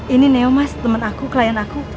ini neo mas teman aku klien aku